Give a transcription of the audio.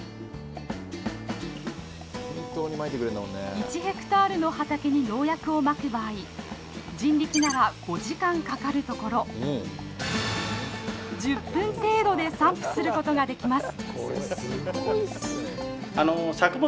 １ヘクタールの畑に農薬をまく場合人力なら５時間かかるところ１０分程度で散布することができます。